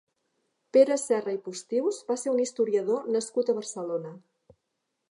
Pere Serra i Postius va ser un historiador nascut a Barcelona.